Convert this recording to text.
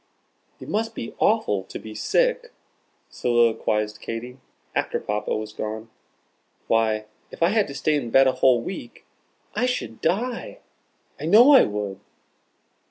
"It must be awful to be sick," soliloquized Katy, after Papa was gone. "Why, if I had to stay in bed a whole week I should die, I know I should."